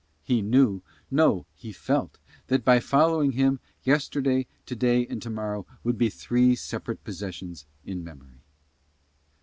He knew no, he felt that by following him, yesterday today and tomorrow would be three separate possessions in memory.